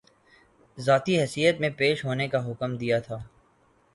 ذاتی حیثیت میں پیش ہونے کا حکم دیا تھا